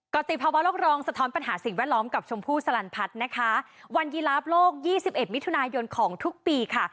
กรติภาวะโลกรองสะท้อนปัญหาสิ่งแวดล้อมกับชมพู่สลันพัฒน์นะคะวันยีลาฟโลก๒๑มิถุนายนของทุกปีค่ะ